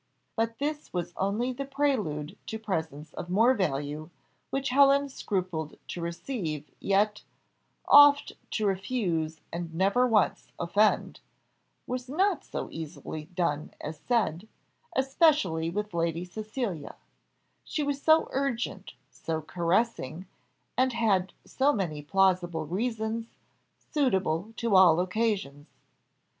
But this was only the prelude to presents of more value, which Helen scrupled to receive; yet "Oft to refuse and never once offend" was not so easily done as said, especially with Lady Cecilia; she was so urgent, so caressing, and had so many plausible reasons, suitable to all occasions.